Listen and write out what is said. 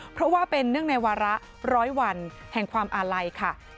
เพราะว่าเป็นเนื่องในวาระร้อยวันแห่งความอาลัยค่ะ